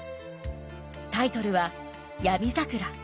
タイトルは「闇桜」。